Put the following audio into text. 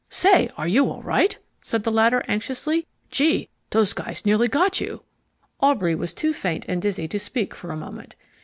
"Say, are you all right?" said the latter anxiously. "Gee, those guys nearly got you." Aubrey was too faint and dizzy to speak for a moment.